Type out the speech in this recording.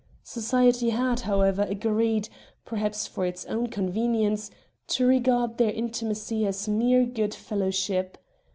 Society had, however, agreed, perhaps for its own convenience, to regard their intimacy as mere good fellowship.